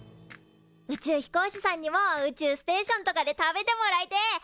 宇宙飛行士さんにも宇宙ステーションとかで食べてもらいてえ。